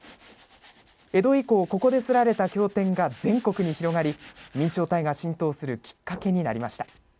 江戸以降、ここで刷られた経典が全国に広がり明朝体が浸透するきっかけになりました。